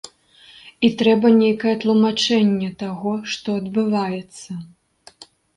І трэба нейкае тлумачэнне таго, што адбываецца.